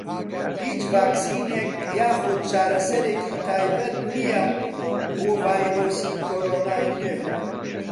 هیچ ڤاکسینێک یاخود چارەسەرێکی تایبەت نییە بۆ ڤایرۆسی کۆرۆنای نوێ.